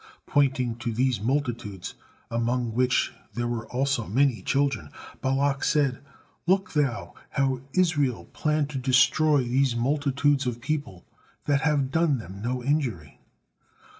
Pointing to these multitudes, among which there were also may children, Balak said, "Look thou, how Israel plan to destroy these multitudes of people that have done them no injury."